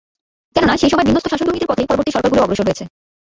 কেননা, সেই সময় বিন্যস্ত শাসন দুর্নীতির পথেই পরবর্তী সরকারগুলোও অগ্রসর হয়েছে।